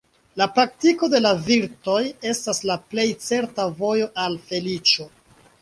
La praktiko de la virtoj estas la plej certa vojo al feliĉo.